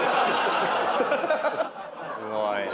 すごいなぁ。